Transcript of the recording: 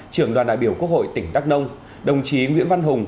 trưởng đoàn đại biểu quốc hội tỉnh đắk nông đồng chí nguyễn văn hùng